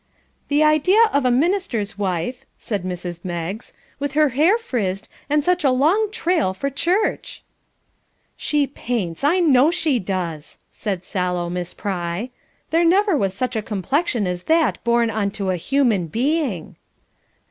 "The idea of a minister's wife," said Mrs. Meggs, "with her hair frizzed, and such a long trail for church!" "She paints, I know she does!" said sallow Miss Pry. "There never was such a complexion as that born on to a human being."